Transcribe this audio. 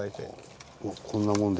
こんなもんで。